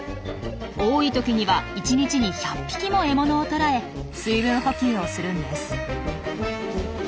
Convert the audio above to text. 多い時には１日に１００匹も獲物を捕らえ水分補給をするんです。